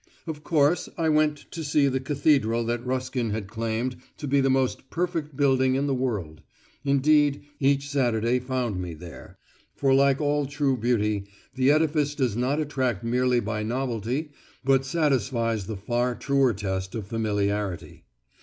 Of course I went to see the Cathedral that Ruskin has claimed to be the most perfect building in the world; indeed, each Saturday found me there; for like all true beauty the edifice does not attract merely by novelty but satisfies the far truer test of familiarity.